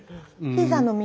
ピザの耳。